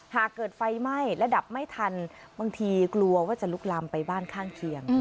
หากเกิดไฟไหม้และดับไม่ทันบางทีกลัวว่าจะลุกลามไปบ้านข้างเคียง